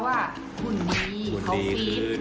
เขาเคยใส่กางเกงฮอตแทนซ์เสื้อก่อน